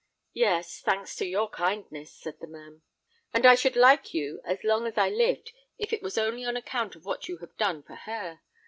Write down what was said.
"Yes—thanks to your kindness," said the man; "and I should like you as long as I lived, if it was only on account of what you have done for her.